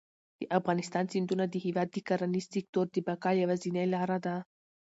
د افغانستان سیندونه د هېواد د کرنیز سکتور د بقا یوازینۍ لاره ده.